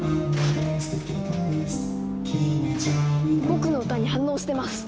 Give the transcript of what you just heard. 僕の歌に反応してます。